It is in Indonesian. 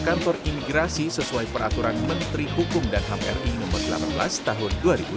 kantor imigrasi sesuai peraturan menteri pemerintah indonesia dan juga di kantor imigrasi